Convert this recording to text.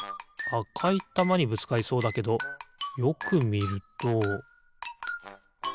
あかいたまにぶつかりそうだけどよくみるとずれてる？